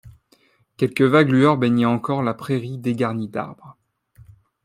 Quelques vagues lueurs baignaient encore la prairie dégarnie d’arbres.